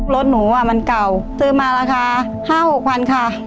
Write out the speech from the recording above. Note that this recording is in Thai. รถหนูมันเก่าซื้อมาราคา๕๖๐๐๐ค่ะ